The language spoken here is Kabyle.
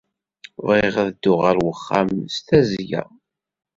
Bɣiɣ ad dduɣ ɣer wexxam s tazzla.